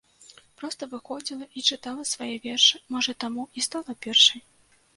Проста выходзіла і чытала свае вершы, можа таму і стала першай.